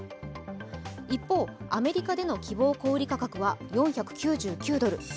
一方、アメリカでの希望小売価格は４９９ドル。